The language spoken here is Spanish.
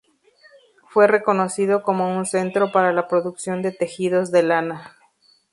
Fue reconocido como un centro para la producción de tejidos de lana.